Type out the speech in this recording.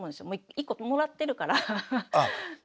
もう１個もらってるから。